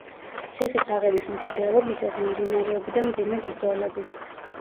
ციხის აღების მცდელობისას მიმდინარეობდა მძიმე ბრძოლები.